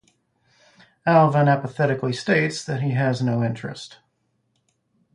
Alvyn apathetically states that he has no interest.